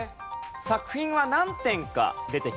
作品は何点か出てきます。